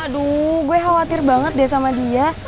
aduh gue khawatir banget deh sama dia